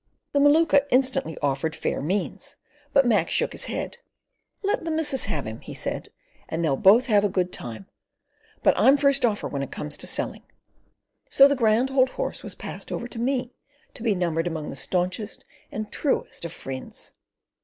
The Maluka instantly offered fair means, but Mac shook his head. "Let the missus have him," he said, "and they'll both have a good time. But I'm first offer when it comes to selling." So the grand old horse was passed over to me to be numbered among the staunchest and truest of friends.